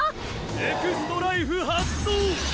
エクストライフ発動！